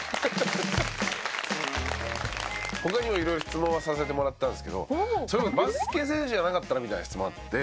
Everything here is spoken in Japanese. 他にも色々質問はさせてもらったんですけどそれこそ「バスケ選手じゃなかったら？」みたいな質問あって。